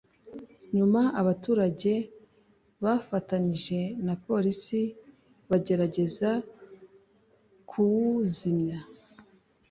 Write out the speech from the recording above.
nyuma abaturage bafatanije na Polisi bagerageza kuwuzimya